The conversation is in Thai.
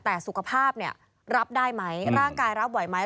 แต่สุขภาพเนี่ยรับได้ไหม